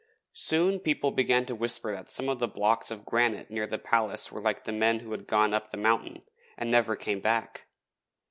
Soon people began to whisper that some of the blocks of granite near the palace were like the men who had gone up the mountain and never came back.